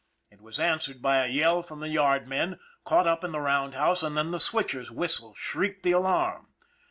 It was answered by a yell from the yardmen, caught up in the roundhouse, and then the switcher's whistle shrieked the alarm.